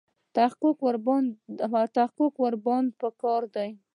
تحقیق ورباندې په کار دی.